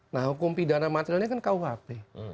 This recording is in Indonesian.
nah hukum pidana materialnya kan kuhp